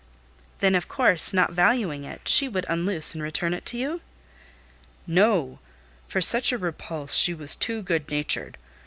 "Then, of course, not valuing it, she would unloose, and return it to you?" "No; for such a repulse she was too good natured.